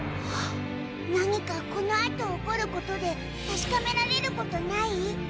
何かこの後起こることで確かめられることない？